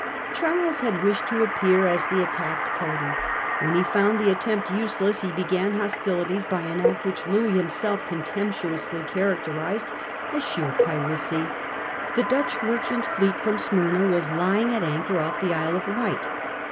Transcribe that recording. Charles had wished to appear as the attacked party. When he found the attempt useless, he began hostilities by an act which Louis himself contemptuously character ised as sheer piracy. The Dutch merchant fleet from Smyrna was lying at anchor off the Isle of Wight.